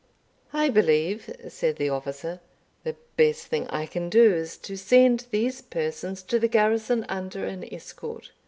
"I believe," said the officer, "the best thing I can do is to send these persons to the garrison under an escort.